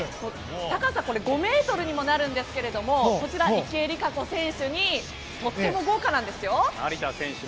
高さ５ｍにもなるんですがこちら、池江璃花子選手にとっても豪華なんですよ。